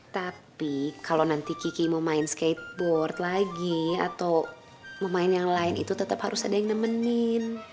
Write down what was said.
tapi kalau nanti kiki mau main skateboard lagi atau mau main yang lain itu tetap harus ada yang nemenin